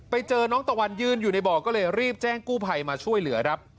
ไปเจอน้องตะวันยืนอยู่ในบ่อก็เลยรีบแจ้งกู้ภัยมาช่วยเหลือครับ